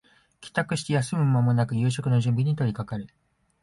帰宅して休む間もなく夕食の準備に取りかかる